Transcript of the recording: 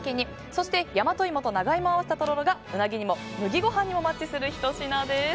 そして、大和イモと長イモを合わせたとろろがウナギにも麦ご飯にもマッチするひと品です。